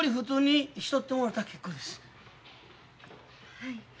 はい。